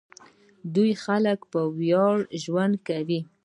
د دوی خلک په ویاړ ژوند کوي.